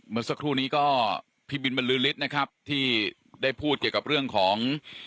เมื่อสักครู่นี้ก็พี่บินบรรลือฤทธิ์นะครับที่ได้พูดเกี่ยวกับเรื่องของ